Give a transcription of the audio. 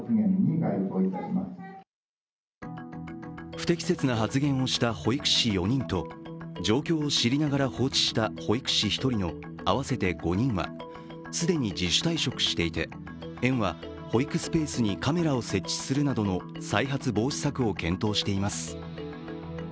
不適切な発言をした保育士４人と状況を知りながら放置した保育士１人の合わせて５人は既に自主退職していて、園は保育スペースにカメラを設置するなどの再発防止策を検討しています。